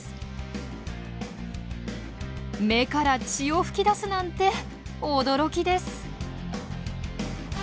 目から血を噴き出すなんて驚きです。